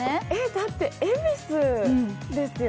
だって恵比寿ですよ。